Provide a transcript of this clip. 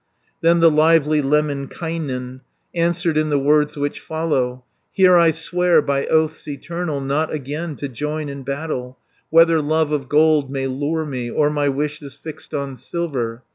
Then the lively Lemminkainen Answered in the words which follow: 300 "Here I swear, by oaths eternal, Not again to join in battle, Whether love of gold may lure me, Or my wish is fixed on silver.